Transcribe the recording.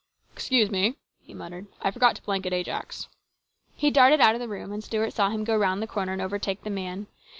" Excuse me," he muttered, " I forgot to blanket Ajax." He darted out of the room, and Stuart saw him go round the corner and overtake the man.